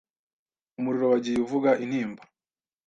Umuriro wagiye uvuga intimba